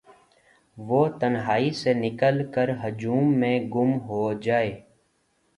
وہ تنہائی سے نکل کرہجوم میں گم ہوجائے